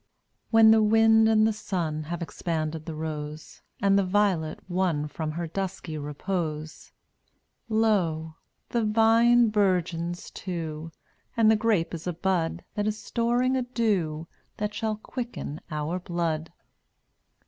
171 When the wind and the sun Have expanded the rose, And the violet won From her dusky repose, Lo! the vine burgeons too, And the grape is a bud That is storing a dew That shall quicken our blood.